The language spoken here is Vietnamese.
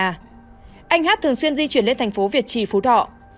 anh hát thường xuyên di chuyển lên thành phố việt trì phú thọ